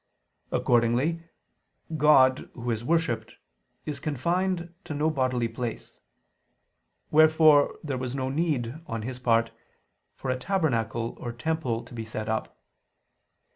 Accordingly God, Who is worshipped, is confined to no bodily place: wherefore there was no need, on His part, for a tabernacle or temple to be set up.